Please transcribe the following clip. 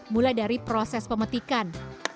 mulai dari proses pemetikan